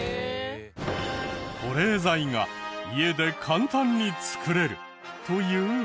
保冷剤が家で簡単に作れるというウワサ。